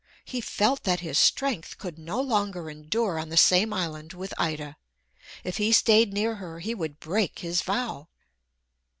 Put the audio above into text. He felt that his strength could no longer endure on the same island with Ida. If he stayed near her he would break his vow.